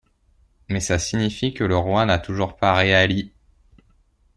Mais ça signifie que le Roi n’a toujours pas réali...